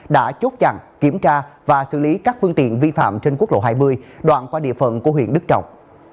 đã chốt chặn kiểm tra và xử lý các phương tiện vi phạm trên quốc lộ hai mươi đoạn qua địa phận của huyện đức trọng